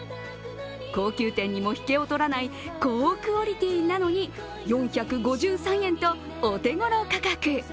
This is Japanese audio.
高級店にも引けを取らない高クオリティーなのに４５３円と、お手頃価格。